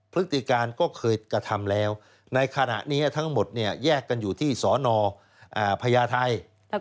พฤติการก็เคยกระทำแล้วในขณะนี้ทั้งหมดเนี่ยแยกกันอยู่ที่สนพญาไทย